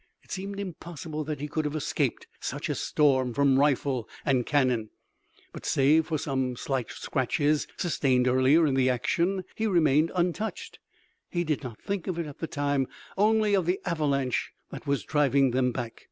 It seemed impossible that he could have escaped such a storm from rifle and cannon, but save for the slight scratches, sustained earlier in the action, he remained untouched. He did not think of it at the time, only of the avalanche that was driving them back.